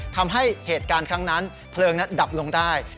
ทำให้เหตุการณ์ครั้งนั้นเพลิงนั้นดับลงได้